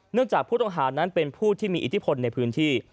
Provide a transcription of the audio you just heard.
จากผู้ต้องหานั้นเป็นผู้ที่มีอิทธิพลในพื้นที่